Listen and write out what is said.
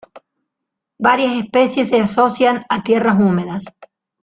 Varias especies se asocian a tierras húmedas.